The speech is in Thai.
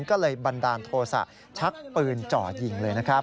ก็เลยบันดาลโทษะชักปืนจ่อยิงเลยนะครับ